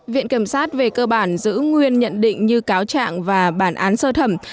viện kiểm sát về cơ bản giữ nguyên nhận định như cáo trạng và bản án sơ thẩm